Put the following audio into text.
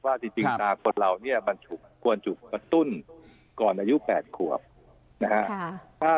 ว่าจริงตาคนเรามันควรจุกกระตุ้นก่อนอายุ๘ขวบนะฮะ